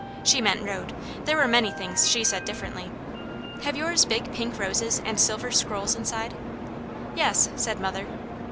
She meant road; there were many things she said differently. "Have yours big pink roses and silver scrolls inside?" "Yes," said mother.